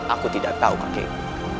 aku tidak tahu kake guru